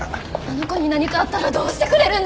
あの子に何かあったらどうしてくれるんですか！？